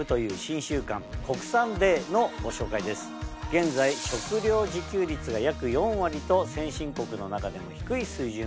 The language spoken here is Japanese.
現在食料自給率が約４割と先進国の中でも低い水準の日本。